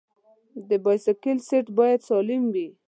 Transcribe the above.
د بایسکل سیټ باید سالم وي.